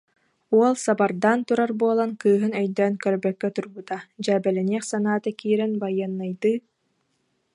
Уол сабардаан турар буолан кыыһын өйдөөн көрбөккө турбута, дьээбэлэниэх санаата киирэн, байыаннайдыы: